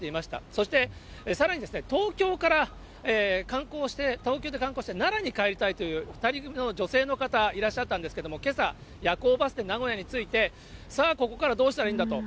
そして、さらに東京から観光して、東京で観光して奈良に帰りたいという２人組の女性の方、いらっしゃったんですけれども、けさ、夜行バスで名古屋について、さあ、ここからどうしたらいいんだと。